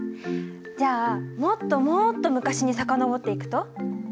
じゃあもっともっと昔に遡っていくと？